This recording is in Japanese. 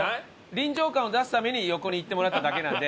臨場感を出すために横に行ってもらっただけなんで。